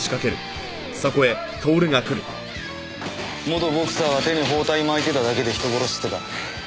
元ボクサーは手に包帯巻いてただけで人殺しってか。